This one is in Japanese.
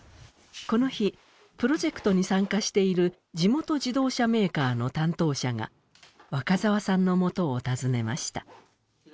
この日プロジェクトに参加している地元自動車メーカーの担当者が若澤さんのもとを訪ねました。